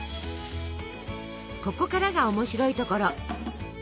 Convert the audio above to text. ここからが面白いところ。